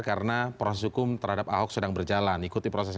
lalu kemudian mulai sekarang muncul pernyataan pernyataan dari ketua presiden